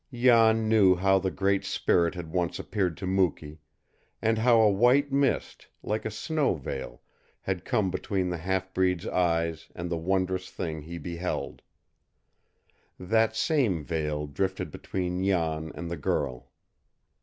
Jan knew how the Great Spirit had once appeared to Mukee, and how a white mist, like a snow veil, had come between the half breed's eyes and the wondrous Thing he beheld. That same veil drifted between Jan and the girl.